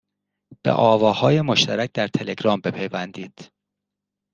به آواهای مشترک در تلگرام بپیوندید